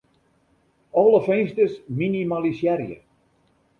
Alle finsters minimalisearje.